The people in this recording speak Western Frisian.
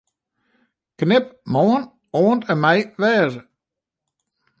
Knip 'Moarn' oant en mei 'wêze'.